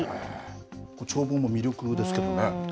これ、眺望も魅力ですけどね。